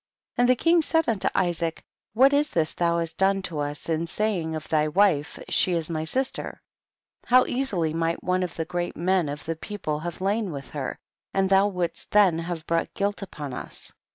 8. And the king said unto Isaac, what is this thou hast done to us in saying of thy wife, she is my sister ? how easily might one of the great men of the people have lain with her, and thou wouldst then have brought guilt upon us.